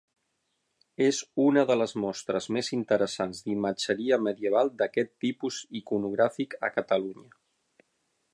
És una de les mostres més interessants d'imatgeria medieval d'aquest tipus iconogràfic a Catalunya.